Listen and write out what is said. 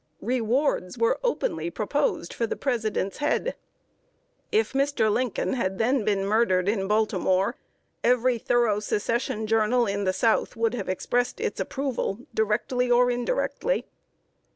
Rewards were openly proposed for the President's head. If Mr. Lincoln had then been murdered in Baltimore, every thorough Secession journal in the South would have expressed its approval, directly or indirectly.